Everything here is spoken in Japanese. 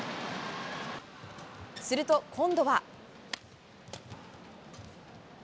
すると今度は。